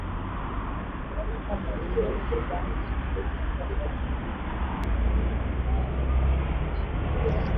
Milipuko miwili kuwahi kutokea karibuni nchini Kenya ilikuwa mwaka